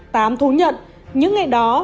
tám thú nhận những ngày đó